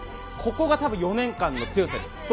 ここが多分４年間の強さです。